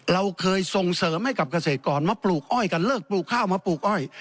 เราเคยส่งเสริมให้กับเกษตรกรมาปลูกอ้อยกันเลิกปลูกข้าวมาปลูกอ้อย